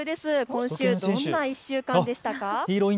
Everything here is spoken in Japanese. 今週、どんな１週間でしたか。